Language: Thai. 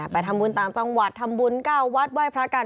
ไปทำบุญต่างจังหวัดทำบุญ๙วัดไหว้พระกัน